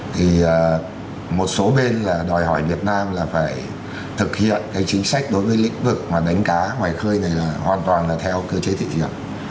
thì một số bên là đòi hỏi việt nam là phải thực hiện cái chính sách đối với lĩnh vực mà đánh cá ngoài khơi này là hoàn toàn là theo cơ chế thị trường